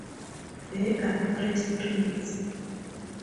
There are three streets.